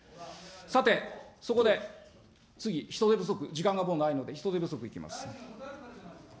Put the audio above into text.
さて、そこで、次、人手不足、時間がもうないので、人手不足いきます。